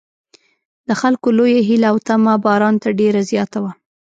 د خلکو لویه هیله او تمه باران ته ډېره زیاته وه.